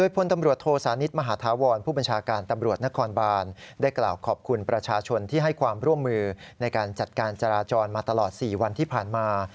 พระบรมร่วมมือในการจัดการจราจรมาตลอด๔วันที่ผ่านมา